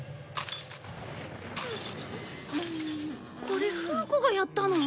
これフー子がやったの？